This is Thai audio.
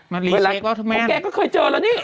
มันรีเชคว่าทุกแม่พอแกก็เคยเจอแล้วนี่